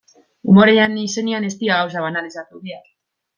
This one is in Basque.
Umorearen izenean ez dira gauzak banalizatu behar.